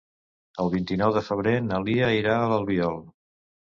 El vint-i-nou de febrer na Lia irà a l'Albiol.